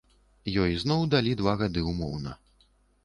Ёй зноў далі два гады ўмоўна.